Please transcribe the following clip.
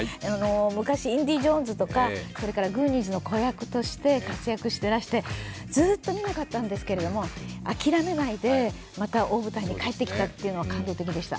昔「インディ・ジョーンズ」とかそれから「グーニーズ」の子役として活躍し照らしてずっと見なかったんですけれども、諦めないでまた大舞台に帰ってきたというのは感動的でした。